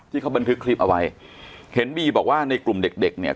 ที่เขาบันทึกคลิปเอาไว้เห็นบีบอกว่าในกลุ่มเด็กเด็กเนี่ย